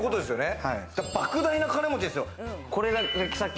莫大な金持ちですよ。